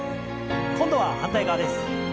今度は反対側です。